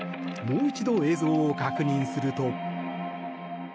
もう一度、映像を確認すると。